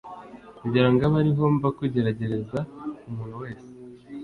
kugira ngo abe ari ho mbakugeragereza Umuntu wese